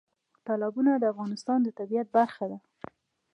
تالابونه د افغانستان د طبیعت برخه ده.